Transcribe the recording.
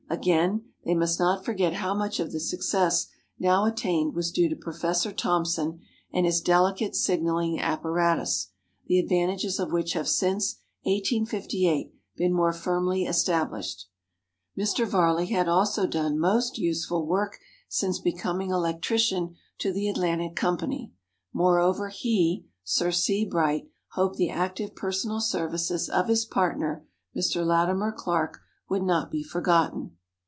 Again, they must not forget how much of the success now attained was due to Professor Thomson and his delicate signaling apparatus, the advantages of which have since 1858 been more firmly established. Mr. Varley had also done most useful work since becoming electrician to the "Atlantic" Company. Moreover, he (Sir C. Bright) hoped the active personal services of his partner, Mr. Latimer Clark, would not be forgotten.